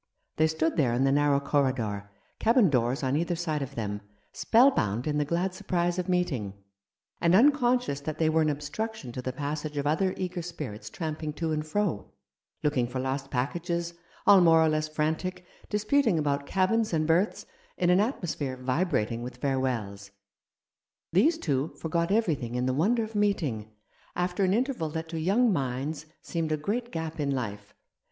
They stood there in the narrow corridor, cabin doors on either side of them, spellbound in the glad surprise of meeting, and unconscious that they were an obstruction to the passage of other eager spirits tramping to and fro, looking for lost packages, all more or less frantic, disputing about cabins and berths, in an atmosphere vibrat ing with farewells. These two forgot everything in the wonder of meeting, after an interval that to young minds seemed a great gap in life.